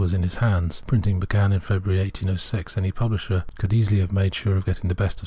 was: in his hands. Printing began in February, 1806. Any pubhsher could easily make sure of getting the best of.